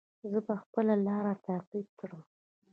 زه به خپله لاره تعقیب کړم.